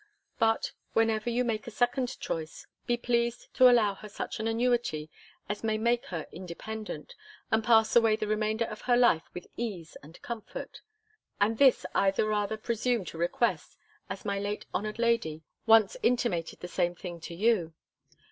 But, whenever you make a second choice, be pleased to allow her such an annuity as may make her independent, and pass away the remainder of her life with ease and comfort. And this I the rather presume to request, as my late honoured lady once intimated the same thing to you.